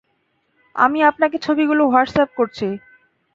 আমি আপনাকে ছবিগুলো হোয়াটস অ্যাপ করছি।